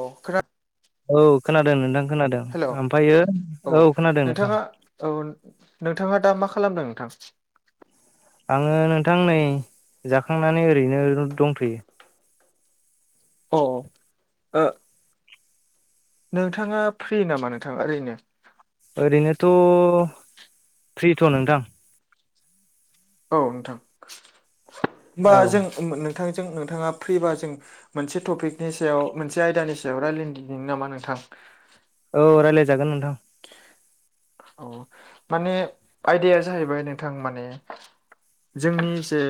अ खोनाद औ खोनादों नोंथां खोनादों हेल' ओमफायो औ खोनादों नोंथां नोंथाङा औ नोंथाङा दा मा खालामदों नोंथां? आङो नोंथां नै जाखांनानै ओरैनो दंथ'यो। अ नोंथाङा फ्रि नामा नोंथाङा ओरैनो ओरैनोथ' फ्रिथ' नोंथां। औ नोंथां होमबा औ जों नोंथांजों नोंथाङा फ्रिबा जों मोनसे टपिकनि सायाव मोनसे आयदानि सायाव रायलायनि दिनि नामा नोंथां। औ रायलायजागोन नोंथां। अ माने आयदाया जाहैबाय नोंथां माने जोंनि जे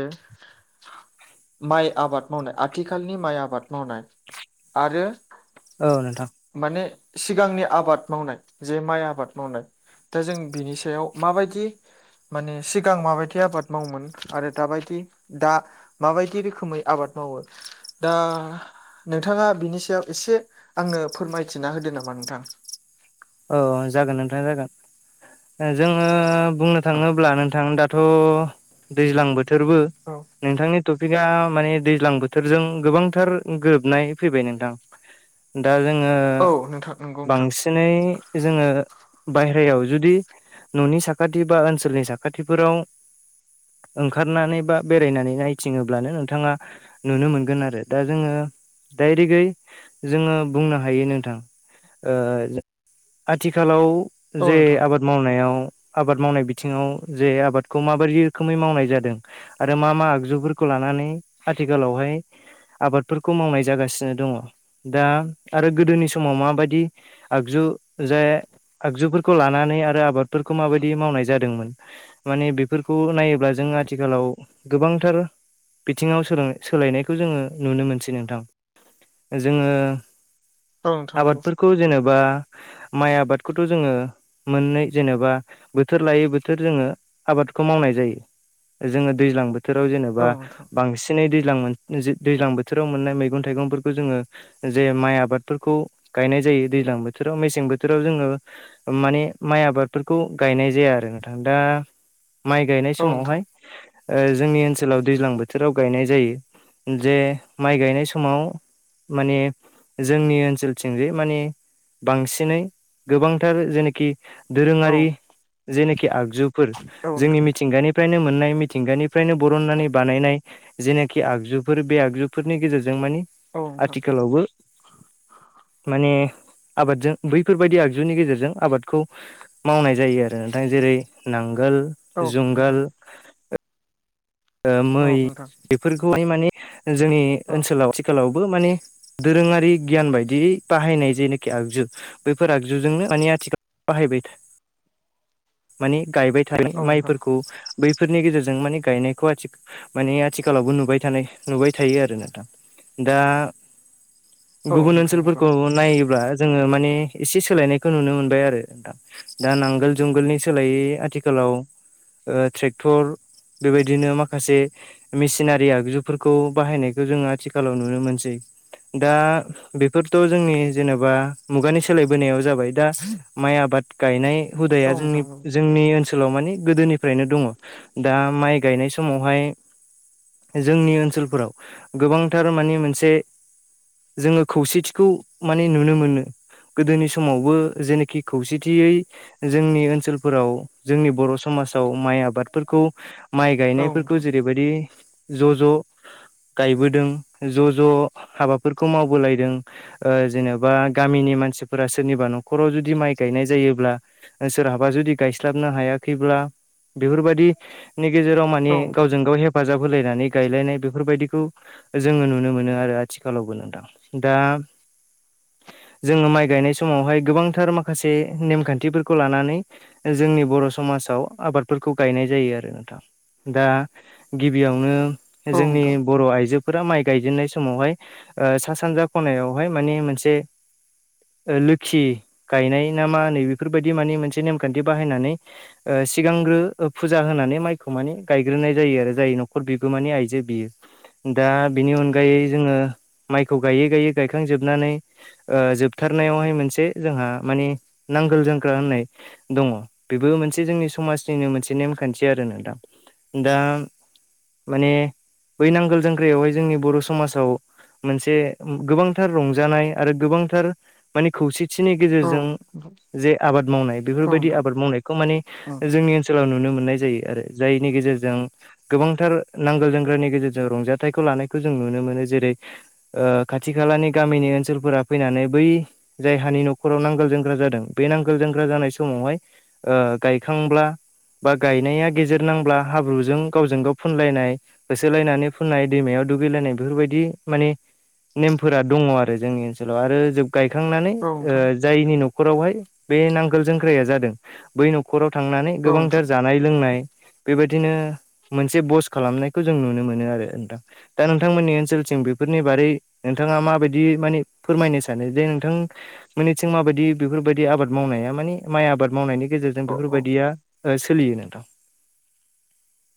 माइ आबाद मावनाय आथिखालनि माइ आबाद मावनाय आरो औ नोंथां। माने सिगांनि आबाद मावनाय जे माइ आबाद मावनाय दा जों बिनि सायाव माबायदि माने सिगां माबायदि आबाद मावोमोन आरो दाबायदि दा माबायदि रोखोमै आबाद मावो दा नोंथाङा बिनि सायाव इसे आंनो फोरमायथिना होदो नामा नोंथां? औ जागोन नोंथां जागोन। जोङो बुंनो औ थाङोब्ला नोंथां दाथ' दैज्लां बोथोरबो औ। नोंथांनि टपिकआ माने दैज्लां बोथोरजों गोबांथार गोरोबनाय फैबाय नोंथां। दा जोङो औ नोंथां नंगौ नोंथां बांसिनै जोङो बायह्रायाव जुदि न'नि साखाथि बा ओनसोलनि साखाथिफोराव ओंखारनानै बा बेरायनानै नायथिङोब्लानो नोंथाङा नुनो मोनगोन आरो दा जोङो दायरेक्टयै जोङो बुंनो हायो नोंथां। ओ आथिखालाव औ जे नोंथां आबाद मावनायाव आबाद मावनाय बिथिङाव जे आबादखौ माबोरि रोखोमै मावनाय जादों। आरो मा मा आगजुफोरखौ लानानै आथिखालावहाय आबादफोरखौ मावनाय जागासिनो दङ दा आरो गोदोनि समाव माबादि आगजु जे आगजुफोरखौ लानानै आरो आबादफोरखौ माबायदि मावनाय जादोंमोन माने बेफोरखौ नायोब्ला जों आथिखालाव गोबांथार बिथिङाव सोल सोलायनायखौ जोङो नुनो मोनसै नोंथां जोङो औ नोंथां नंगौ आबादफोरखौ जेनेबा माइ आबादखौथ' जोङो मोननै जेनेबा बोथोर लायै बोथोर जोङो आबादखौ मावनाय जायो। जोङो दैज्लां बोथोराव औ जेनेबा नोंथां बांसि नै दैज्लां मोन दैज्लां बोथोराव मोननाय मैगं थाइगंफोरखौ जोङो जे माइ आबादफोरखौ गायनाय जायो दैज्लां बोथोराव मेसें बोथोराव जोङो माने माइ आबादफोरखौ गायनाय जाया आरो नोंथां दा माइ गायनाय औ नोंथां समावहाय ओ जोंनि ओनसोलाव दैज्लां बोथोराव गायनाय जायो, जे माइ गायनाय समाव माने जोंनि ओनसोलथिंजे माने बांसिनै गोबांथार जेनेखि औ दोरोङारि जेनेखि आगजुफोर औ जोंनि नोंथां मिथिंगानि फ्रायनो मोननाय मिथिंगानिफ्रायनो बरननानै बानायनाय जेनेखि आगजुफोर बे आगजुफोरनि गेजेरजों मानि औ नोंथां औ नोंथां आथिखालावबो [inaudible] माने आबादजों बैफोरबायदि आगजुनि गेजेरजों आबादखौ मावनाय जायो आरो नोंथां जेरै नांगोल जुंगाल औ मै नोंथां बेफोरखौहाय माने जोंनि ओनसोलाव आथिखालावबो माने दोरोङारि गियान बायदि बाहायनाय जेनोखि आगजु बैफोर आगजुजोंनो माने आथिखाल बाहायबाय था माने गायबाय थायो माइफोरखौ बैफोरनि गेजेरजों माने गायनाय माने आथिखालावबो नुबाय थानाय नुबाय थायो आरो नोंथां दा औ गुबुन नोंथां औ ओनसोलफोरखौ नायोब्ला जोंङो माने एसे सोलायनायखौ नुनो मोनबाय आरो दा नांगोल जुंगोलनि सोलायै आथिखालाव ट्रेक्टर बिदिनो माखासे मेसिनारि आगजुफोरखौ बाहायनायखौ जोंङो आथिखालाव नुनो मोनसै दा बेफोरथ' जोंनि जेनेबा मुगानि सोलायबोनायाव जाबाय दा माइ आबाद गायनाय हुदाया जोंनि नोंथां नंगौ जोंनि ओनसोलाव मानि गोदोनिफ्रायनो दंङ दा माइ गायनाय समावहाय जोंनि ओनसोलफोराव गोबांथार माने मोनसे जोङो खौसेथिखौ माने नुनो मोनो गोदोनि समावबो जेनोखि खौसेथियै जोंनि ओनसोलफोराव जोंनि बर' समाजाव माइ आबादफोरखौ माइ औ नोंथां औ गायनायफोरखौ नोंथां जेरै बेबायदि ज' ज' गायबोदों ज' ज' हाबाफोरखौ मावबोलायदों जेनेबा गामिनि मानसिफोरा सोरनिबा न'खराव जुदि माइ गायनाय जायोब्ला सोरहाबा जुदि गायस्लाबनो हायाखैब्ला बेफोरबादि नि गेजेराव माने औ नोंथां गावजों गाव हेफ हेफाजाब होलायनानै गायलायनाय बेफोरबायदिखौ जोङो नुनो मोनो आरो आथिखालावबो नोंथां दा जोंङो माइ गायनाय समावहाय गोबांथार माखासे नेमखान्थिफोरखौ लानानै जोंनि बर' समाजाव आबादफोरखौ गायनाय जायो आरो दा गिबियावनो औ जोंनि नोंथां बर' आइजो फोरा माइ गायजेननाय समावहाय सा सानजा खनायावहाय माने मोनसे लोखि गायनाय ना मा होनो बेफोरबायदि माने मोनसे नेमखान्थि बाहायनानै सिगांग्रो फुजा होनानै माइ खौ माने गायग्रोनाय जायो आरो जाय न'खर बिगोमानि आइजो बियो दा बिनि अनगायै जोंङो माइखौ गायै गायै गायखांजोबनानै जोबथारनायावहाय मोनसे जोंहा माने नांगोल जोंख्रा होननाय दङ बेबो मोनसे जोंनि समाजनिनो मोनसे नेमखान्थि आरो नोथां दा माने बै नांगोल जांग्रायावहाय जोंनि बर' समाजाव मोनसे गोबांथार रंजानाय आरो गोबांथार माने खौसेथिनि औ गेजेरजों जे आबाद मावनाय औ बेफोरबायदि नोंथां आबाद मावनाय खौ माने ओं जोंनि ओनसोलाव नुनो मोननाय जायो आरो जायनि गेजेरजों गोबांथार नांगोल जोंग्रानि गेजेरजों रंजाथाइखौ लानायखौ जों नुनो मोनो जेरै ओ खाथि खालानि गामिनि ओनसोलफोरा फैनानै बै जायहानि न'खराव नांगोल जोंग्रा जादों बे नांगोल जोंग्रा जानाय समावहाय गायखांब्ला बा गायनाया गेजेर नांब्ला हाब्रुजों गावजों गाव फुनलायनाय होसोलायनानै फुननाय दैमायाव दुगैलायनाय बेफोरबायदि माने नेमफोरा दंङ आरो जोंनि ओनसोलाव आरो जोब गायखांनानै औ नोंथां जायनि न'खरावहाय बे नांगोल जोंख्राया जादों बै न'खराव थांनानै औ नोंथां गोबांथार जानाय लोंनाय बेबायदिनो मोनसे बस खालामनायखौ जों नुनो मोनो आरो नोंथां दा नोंथांमोननि ओनसोलथिं बेफोरनि बारै नोंथांङा माबायदि माने फोरमायनो सानो जे नोंथां मोननैथिं माबायदि बेफोरबायदि आबाद मावनाया मानि माइ आबाद मावनायनि गेजेरजों जों औ औ बेफोरबायदिया ओ सोलियो नोंथां।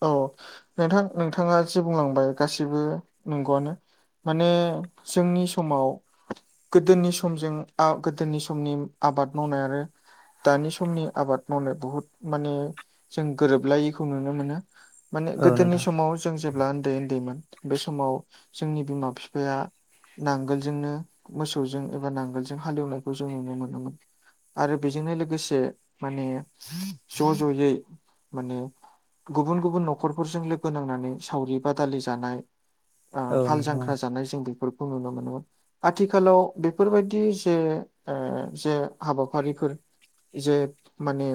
औ नोंथां नोंथांङा जे बुंलांबाय गासिबो नंगौआनो। माने जोंनि समाव गोदोनि समजों आ गोदोनि समनि आबाद मावनाय आरो दानि समनि आबाद मावनाय बुहुद माने जों गोरोबलायैखौ नुनो मोनो। माने औ गोदोनि नोंथां समाव जों जेब्ला ओन्दै ओन्दैमोन बे समाव जोंनि बिमा बिफाया नांगोलजोंनो मोसौजों एबा नांगोलजों हालेवनायखौ जों नुनो मोनोमोन। आरो बेजोंनो लोगोसे माने ज' ज'यै माने गुबुन गुबुन न'खरफोरजों लोगो नांनानै सावरि बादालि जानाय ओ औ हाल नोंथां जांख्रा जानाय जों बेफोरखौ नुनो मोनोमोन। आथिखालाव बेफोरबायदि जे ओ जे हाबाफारिफोर जे माने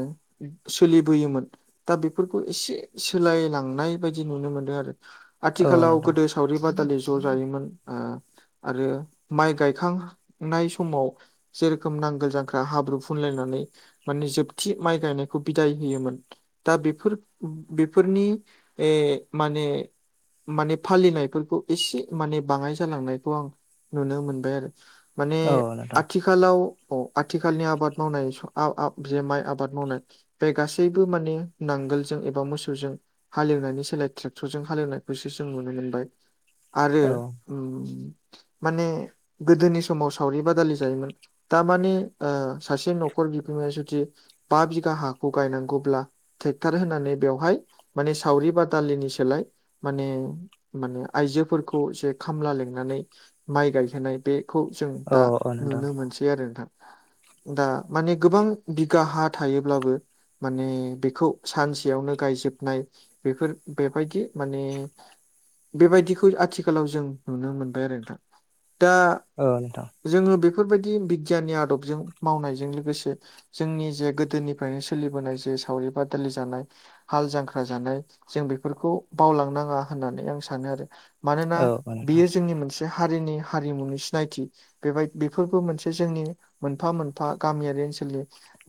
सोलिबोयोमोन दा बेफोरखौ एसे सोलायलांनाय बायदि नुनो मोनदों आरो औ आथिखालाव नोंथां गोदो सावरि बादालि ज' जायोमोन ओ आरो माइ गायखां नाय समाव जेरोखोम नांगोल जांख्रा हाब्रु फुनलायनानै माने जोबथि माइ गायनायखौ बिदाय होयोमोन दा बेफोर बेफोरनि ए माने माने फालिनायफोरखौ एसे माने बाङाय जालांनायखौ आं नुनो मोनबाय आरो। माने औ आथि नोंथां आथिखालाव अ आथिखालनि आबाद मावनाय स आव आव जे माइ आबाद मावनाय बे गासैबो माने नांगोलजों एबा मोसो जों हालेवनायनि सोलाय ट्रेक्टरजों हालेवनायखौसो जों नुनो मोनबाय आरो औ उम माने गोदोनि समाव सावरि बादालि जायोमोन। थारमाने ओ सासे न'खर बिगोमाया जुदि बा बिघा हाखौ गायनांगौब्ला टेक्टार होनानै बेवहाय माने सावरि बादालिनि सोलाय माने माने आयजोफोरखौ जे खामला लिंनानै माइ गायहोनाय बे खौ जों दा औ नोंथां नुनो मोनसै आरो नोंथां। दा माने गोबां बिगा हा थायोब्लाबो माने बेखौ सानसेयावनो गायजोब नाय बेफोर बेबायदि माने बेबायदिखौ आथिखालाव जों नुनो मोनबाय आरो नोंथां दा ओ नोंथां। जोङो बेफोरबायदि बिगियाननि आदबजों मावनायजों लोगोसे जोंनि जे गोदोनिफ्रायनो सोलिबोनाय जे सावरि बादालि जानाय हाल जांखा खा जानाय जों बेफोरखौ बावलांनाङा होननानै आं सानो आरो। मानोना औ औ नोंथां बेयो जोंनि मोनसे हारिनि हारिमुनि सिनायथि। बेबायद बेफोरबो मोनसे जोंनि मोनफा मोनफा गामियारि ओनसोलनि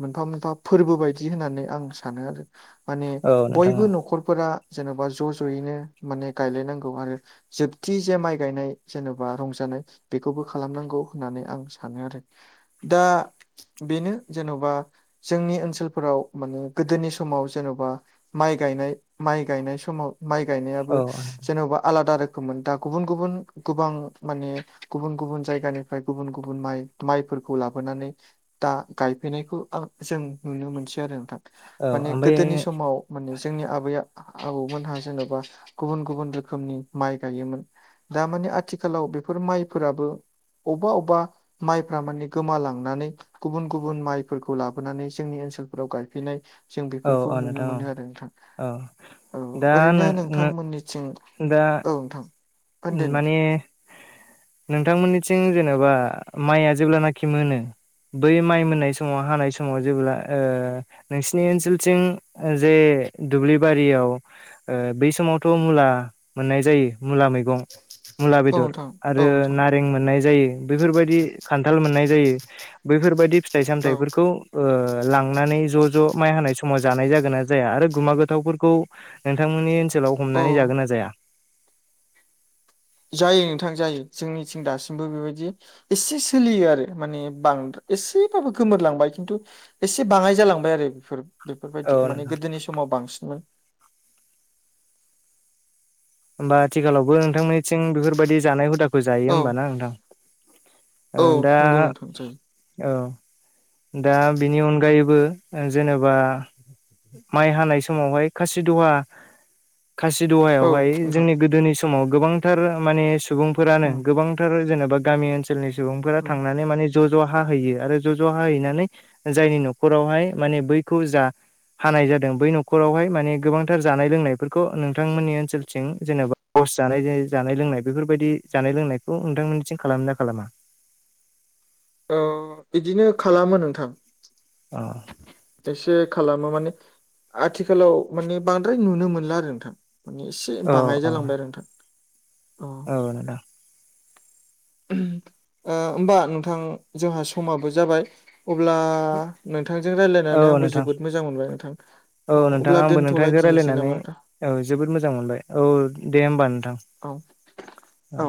मोनफा मोनफा फोरबो बायदि होननानै आं सानो आरो माने औ नोंथां खरफोरा जेन'बा ज' ज'यैनो माने गायलायनांगौ आरो जोबथि जे माइ गायनाय जेनेबा रंजानाय बेखौबो खालामनांगौ होननानै आं सानो आरो दा बेनो जेन'बा जोंनि ओनसोलफोराव माने गोदोनि समाव जेन'बा माइ गायनाय माइ गायनाय समाव माइ औ गायनायाबो जेन'बा आलादा रोखो खोममोन दा गुबुन गुबुन गोबां माने गुबुन गुबुन जायगानिफ्राय गुबुन गुबुन माइ माइफोरखौ लाबोनानै दा गायफैनायखौ आ जों नुनो मोनसै आरो नोंथां औ माने ओमफ्राय गोदोनि समाव माने जोंनि आबैया आबौमोनहा जेन'बा गुबुन गुबुन रोखोमनि माइ गायोमोन। दामाने आथिखालाव बेफोर माइफोराबो अबा अबा माइफ्रा माने गोमालांनानै गुबुन गुबुन माइफोरखौ लाबोनानै जोंनि ओनसोलफोराव गायफैनाय जों औ बेफोरखौ औ नुनो नोंथां मोनो औ आरो नोंथां औ औ दा ओरैनो नों नोंथांमोननिथिं दा अ थां माने नोंथांमोननिथिं जेन'बा माइआ जेब्लानाखि मोनो बै माइ मोननाय समाव हानाय समाव जेब्ला ओ नोंसिनि ओनसोलथिं जे दुब्लि बारियाव ओ बै समावथ' मुला मोननाय जायो मुला मै मैगं मुला औ बेदर नोंथां औ आरो नोंथां नारें मोननाय जायो बैफोरबायदि खान्थाल मोननाय जायो बैफोरबायदि फिथाइ औ सामथाइफोरखौ ओ लांनानै ज' ज' माइ हानाय समाव जानाय जागोन ना जाया आरो गुमा गोथावफोरखौ नोंथांमोननि ओनसोलाव औ हमनानै जागोन ना जाया जायो नोंथां जायो जोंनिथिं दासिमबो बेबायदि एसे सोलियो आरो माने बां एसेबाबो गोमोरलांबाय खिन्थु एसे बाङाय जालांबाय आरो बेफोर औ बेफोरबायदि माने नोंथां गोदोनि समाव बांसिनमोन होमबा आथिखालावबो नोंथांनिं बेफोरबायदि जानाय हुदाखौ गोजायो औ होमबाना नोंथां औ ओ दा नंगौ नोंथां जायो औ दा बिनि अनगायैबो जेनेबा माइ हानाय समावहाय द खासि दहा खासि औ दहायावहाय नोंथां जोंनि गोदोनि समाव गोबांथार माने सुबुंफोरानो गोबांथार जेनेबा गामि ओनसोलाव ओनसोलनि सुबुंफोरा थांनानै माने ज' ज' हा होयो आरो ज' ज' जहा हैनानै जायनि न'खरावहाय माने बैखौ जा हानाय जादों बै न'खरावहाय माने गोबांथार जानाय लोंनायफोरखौ नोंथांमोननि ओनसोलथिं जेनेबा बस जानाय जानाय लोंनाय बेफोरबायदि जानाय लोंनायखौ नोंथांमोननिथिं खालामो ना खालामा औ बिदिनो खालामो नोंथां अ एसे खालामो माने आथिखालाव माने बांद्राय नुनो मोनला आरो नोंथां माने इसे से औ बाङाय जालांबाय आरो नोंथां अ [unintelligible] ओ होमबा नोंथां जोंहा समाबो जाबाय अब्ला ओ नोंथांजों औ रायजलायनानै आंबो नोंथां जोबोद मोजां मोनबाय नोंथां औ नोंथां अब्ला आंबो नोंथांजों दोनथ'लायदिनोसै रायलायनानै नामा नोंथां औ जोबोद मोजां मोनबाय औ दे होनबा नोंथां औ औ